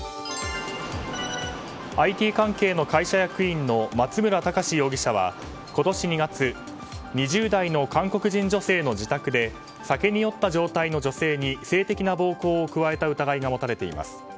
ＩＴ関係の会社役員の松村隆史容疑者は今年２月２０代の韓国人女性の自宅で酒に酔った状態の女性に性的な暴行を加えた疑いが持たれています。